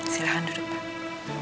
silahkan duduk pak